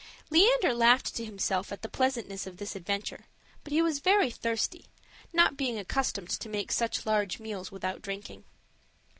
Leander laughed to himself at the pleasantness of this adventure; but he was very thirsty, not being accustomed to make such large meals without drinking.